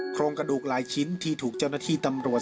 โครงกระดูกหลายชิ้นที่ถูกเจ้าหน้าที่ตำรวจ